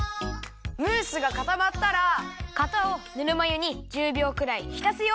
ムースがかたまったら型をぬるまゆに１０びょうくらいひたすよ。